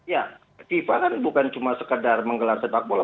ya fifa kan bukan cuma sekedar menggelar sepak bola